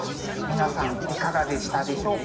皆さんいかがでしたでしょうか？